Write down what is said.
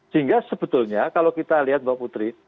sehingga sebetulnya kalau kita lihat mbak putri